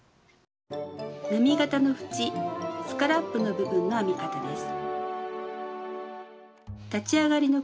波形の縁スカラップの部分の編み方です。